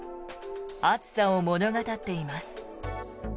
暑さを物語っています。